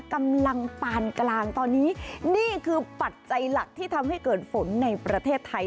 กำลังปานกลางตอนนี้นี่คือปัจจัยหลักที่ทำให้เกิดฝนในประเทศไทย